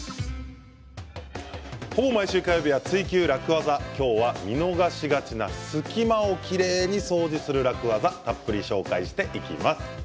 ほぼ毎週火曜日は「ツイＱ楽ワザ」今日は見逃しがちな隙間をきれいに掃除する楽ワザたっぷり紹介していきます。